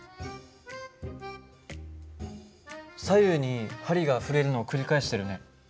左右に針が振れるのを繰り返してるね。